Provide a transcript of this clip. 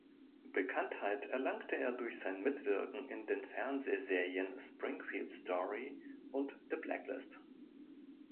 Bekanntheit erlangte er durch sein Mitwirken in den Fernsehserien "Springfield Story" und "The Blacklist".